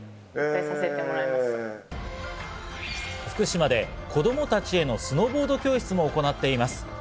福島で子供たちへのスノーボード教室も行っています。